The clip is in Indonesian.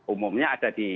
umumnya ada di